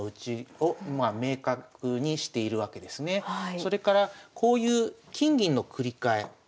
それからこういう金銀の繰り替え